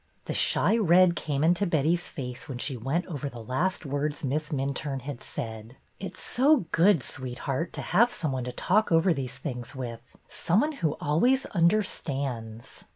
The shy red came into Betty's face when she went over the last words Miss Minturne had said: It 's so good, sweetheart, to have some one to talk over these things with, some one who always understands."